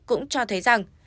cũng cho thấy rằng